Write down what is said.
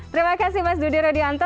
terima kasih mas dudi rodianto